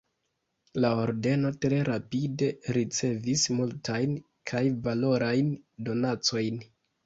La ordeno tre rapide ricevis multajn kaj valorajn donacojn.